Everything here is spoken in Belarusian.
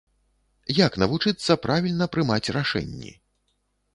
Як навучыцца правільна прымаць рашэнні?